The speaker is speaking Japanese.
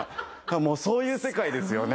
もうそういう世界ですよね